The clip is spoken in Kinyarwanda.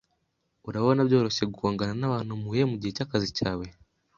Urabona byoroshye guhangana nabantu muhuye mugihe cyakazi cyawe?